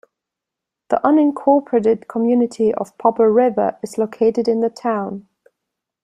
The unincorporated community of Popple River is located in the town.